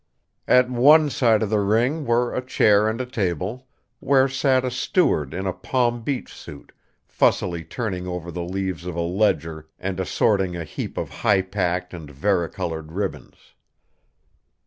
At one side of the ring were a chair and a table, where sat a steward in a Palm Beach suit, fussily turning over the leaves of a ledger and assorting a heap of high packed and vari colored ribbons.